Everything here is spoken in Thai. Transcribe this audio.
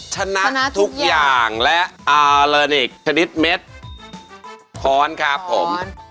ชนะทุกอย่างและเอาเลยอีกชนิดเม็ดคอนครับผมคอน